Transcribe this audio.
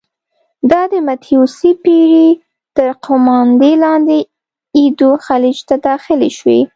دا د متیو سي پیري تر قوماندې لاندې ایدو خلیج ته داخلې شوې.